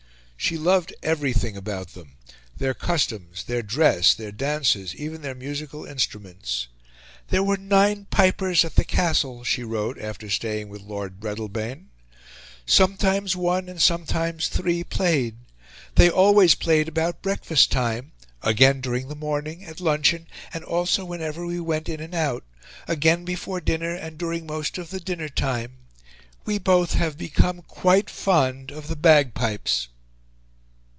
She loved everything about them their customs, their dress, their dances, even their musical instruments. "There were nine pipers at the castle," she wrote after staying with Lord Breadalbane; "sometimes one and sometimes three played. They always played about breakfast time, again during the morning, at luncheon, and also whenever we went in and out; again before dinner, and during most of dinner time. We both have become quite fond of the bag pipes."